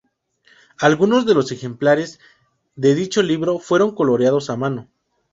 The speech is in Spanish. Algunos de los ejemplares de dicho libro fueron coloreados a mano.